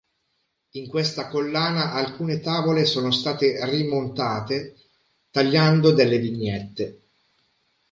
In questa collana alcune tavole sono state rimontate, tagliando delle vignette.